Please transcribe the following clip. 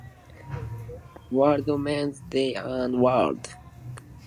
World men's day and world toilet day are the same day. Rude!